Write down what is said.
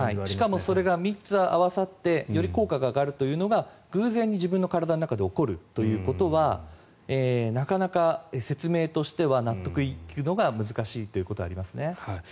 しかもそれが３つ合わさってより効果が上がるというのが偶然に自分の体の中で起こるということはなかなか説明としては納得いくのが難しいというところはあります。